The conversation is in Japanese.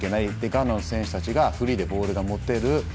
ガーナの選手たちがフリーでボールが持てる。